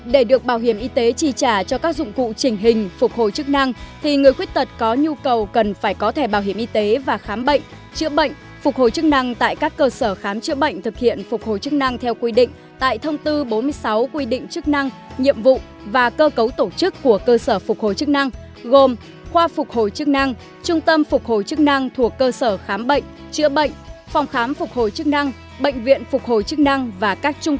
để được bảo hiểm y tế chi trả cho các dụng cụ trình hình phục hồi chức năng thì người khuyết tật có nhu cầu cần phải có thẻ bảo hiểm y tế và khám bệnh chữa bệnh phục hồi chức năng tại các cơ sở khám chữa bệnh thực hiện phục hồi chức năng theo quy định tại thông tư bốn mươi sáu quy định chức năng nhiệm vụ và cơ cấu tổ chức của cơ sở phục hồi chức năng